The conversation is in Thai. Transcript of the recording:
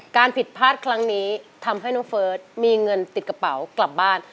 ผิดพลาดครั้งนี้ทำให้น้องเฟิร์สมีเงินติดกระเป๋ากลับบ้าน